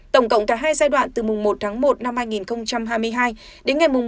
tổng cộng cả hai giai đoạn từ mùng một một hai nghìn hai mươi hai đến ngày một mươi một mươi một hai nghìn hai mươi hai